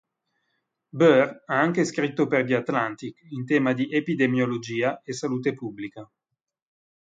Burr ha anche scritto per "The Atlantic" in tema di epidemiologia e salute pubblica.